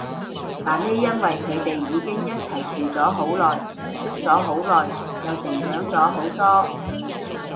但呢因為佢哋已經一齊住咗好耐，識咗好耐，又成長咗好多